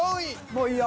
もういいよ。